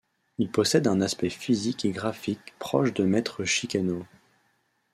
Il possède un aspect physique et graphique proche de Maître Chicaneau.